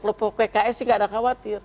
kalau pks sih gak ada khawatir